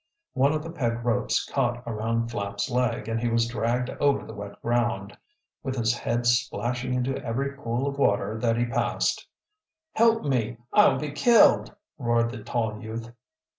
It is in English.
One of the peg ropes caught around Flapp's leg and he was dragged over the wet ground, with his head splashing into every pool of water that he passed. "Help me! I'll be killed!" roared the tall youth.